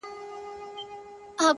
زه په دې افتادګۍ کي لوی ګَړنګ یم،